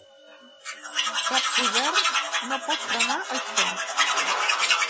Cap poder no pot frenar això.